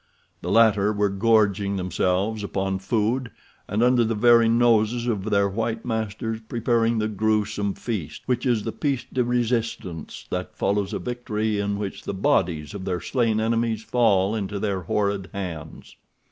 The latter were gorging themselves upon food and, under the very noses of their white masters, preparing the gruesome feast which is the piece de résistance that follows a victory in which the bodies of their slain enemies fall into their horrid hands.